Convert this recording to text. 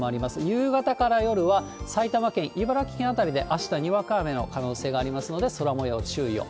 夕方から夜は、埼玉県、茨城県辺りであしたにわか雨の可能性がありますので、空もように注意を。